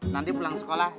nanti pulang sekolah